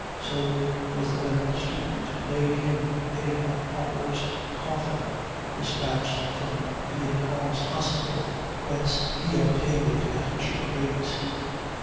So it was the medical student who laid him in a pauper's coffin, despatched from Bianchon's hospital, whence he obtained it at a cheaper rate.